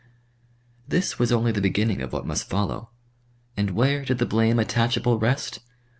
This was only the beginning of what must follow; and where did the blame attachable rest?